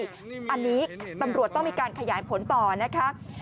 หรือไม่อันนี้ตำรวจต้องมีการขยายผลต่อนะครับ